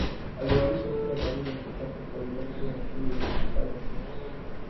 Alionyesha kila dalili ya kutaka kuangua kilio lakini alijikaza kike